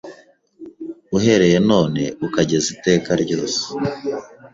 uhereye none ukageza iteka ryose"